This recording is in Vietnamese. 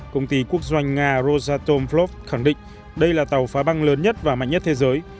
công ty quốc doanh nga rosatom flov khẳng định đây là tàu phá băng lớn nhất và mạnh nhất thế giới